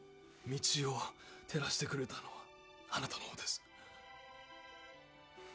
「道を照らしてくれたのはあなたの方です」